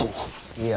いや。